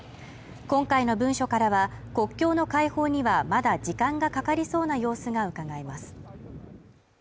今回の文書からは、国境の開放にはまだ時間がかかりそうな様子がうかがえます。